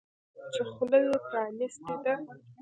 چې خوله یې پرانیستې ده.